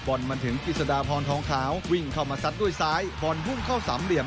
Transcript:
บอลมันถึงกิจสดาพรทองขาววิ่งเข้ามาซัดด้วยซ้ายบอลพุ่งเข้าสามเหลี่ยม